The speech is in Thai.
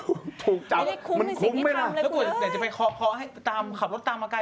ถูกจ่าวมันคุ้มมั้ยล่ะแล้วก็อยากจะไปขอขอไปตามขับรถตามมาไกล